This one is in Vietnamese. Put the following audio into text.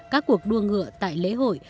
các cuộc đua ngựa tại lễ hội